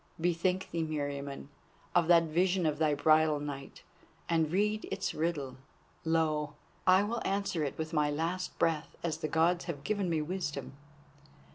Bethink thee, Meriamun, of that vision of thy bridal night, and read its riddle. Lo! I will answer it with my last breath as the Gods have given me wisdom.